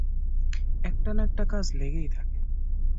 একটা না একটা কাজ লেগেই থাকে।